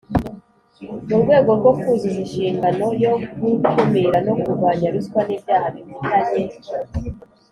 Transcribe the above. Mu rwego rwo kuzuza inshingano yo gukumira no kurwanya ruswa n ibyaha bifitanye